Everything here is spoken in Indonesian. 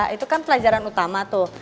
itu kan pelajaran utama tuh